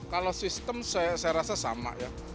kalau sistem saya rasa sama ya